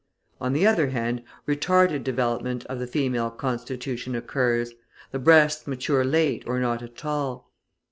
On the other hand, retarded development of the female constitution occurs, the breasts mature late or not at all.